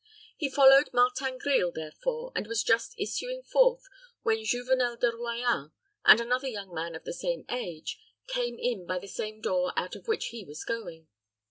He followed Martin Grille, therefore, and was just issuing forth, when Juvenel de Royans, and another young man of the same age, came in by the same door out of which he was going.